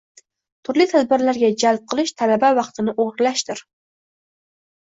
Turli tadbirlarga jalb qilish talaba vaqtini o‘g‘irlashdir.